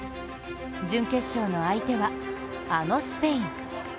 準決勝の相手は、あのスペイン。